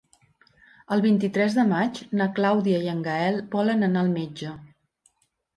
El vint-i-tres de maig na Clàudia i en Gaël volen anar al metge.